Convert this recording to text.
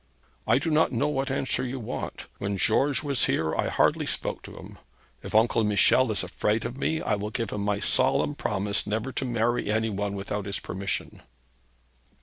'I do not know what answer you want. When George was here, I hardly spoke to him. If Uncle Michel is afraid of me, I will give him my solemn promise never to marry any one without his permission.'